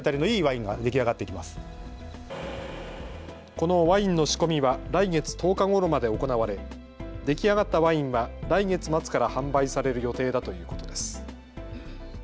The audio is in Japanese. このワインの仕込みは来月１０日ごろまで行われ出来上がったワインは来月末から販売される予定だということです。